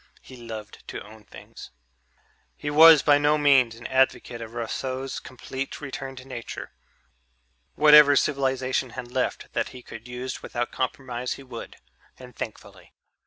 He loved to own things. He was by no means an advocate of Rousseau's complete return to nature; whatever civilization had left that he could use without compromise, he would and thankfully.